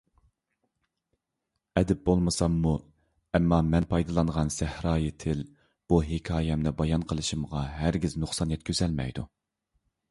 ئەدىب بولمىساممۇ، ئەمما مەن پايدىلانغان سەھرايى تىل بۇ ھېكايەمنى بايان قىلىشىمغا ھەرگىز نۇقسان يەتكۈزەلمەيدۇ.